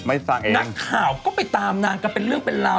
ไม่ได้สร้างเองนางข่าวก็ไปตามนางกันเป็นเรื่องเป็นราว